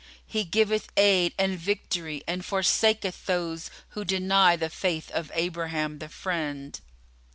He giveth aid and victory and forsaketh those who deny the Faith of Abraham the Friend!"